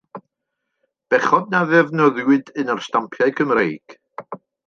Bechod na ddefnyddiwyd un o'r stampiau Cymreig.